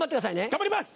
頑張ります！